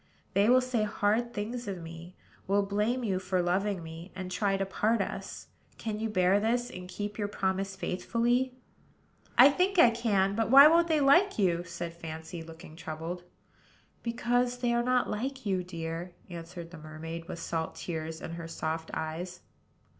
They will say hard things of me; will blame you for loving me; and try to part us. Can you bear this, and keep your promise faithfully?" "I think I can. But why won't they like you?" said Fancy, looking troubled. "Because they are not like you, dear," answered the mermaid, with salt tears in her soft eyes.